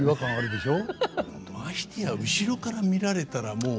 ましてや後ろから見られたらもう。